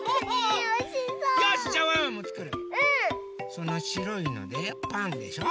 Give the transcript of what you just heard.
そのしろいのでパンでしょ？